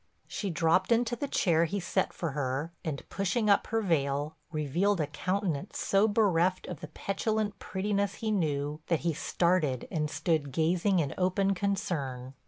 She dropped into the chair he set for her, and, pushing up her veil, revealed a countenance so bereft of the petulant prettiness he knew, that he started and stood gazing in open concern.